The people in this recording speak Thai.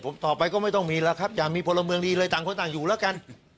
ผมต่อไปก็ไม่ต้องมีแล้วครับอย่ามีพลเมืองดีเลยต่างคนต่างอยู่แล้วกัน